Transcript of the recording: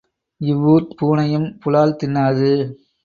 இவ்வூர்ப் பூனையும் புலால் தின்னாது.